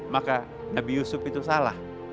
maka nabi yusuf itu salah